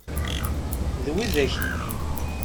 D widak-nni.